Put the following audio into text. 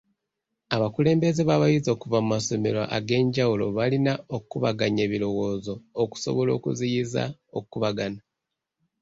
Abakulembeze b'abayizi okuva mu masomero ag'enjawulo balina okukubaganya ebirowoozo okusobola okuziyiza okukubagana.